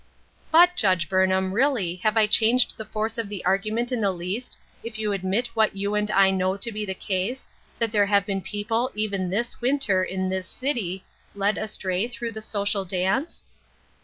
" But, Judge Burnham, really, have I changed the force of the argument in the least, if you admit what you and I know to be the case, that there have been people even this winter, in this city, led astray through the social dance